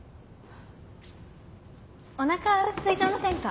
おなかすいてませんか。